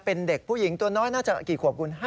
เป็นเด็กผู้หญิงตัวน้อยน่าจะกี่ขวบกูล๕๖ขวบเนาะ